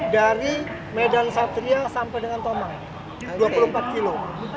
dari medan satria sampai dengan tomang dua puluh empat km